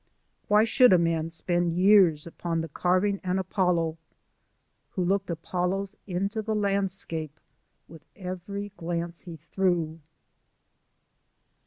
Why should a man spend years upon the carving an Apollo, who looked 130 JOURNAL [Age 35 Apollos into the landscape with every glance he threw?'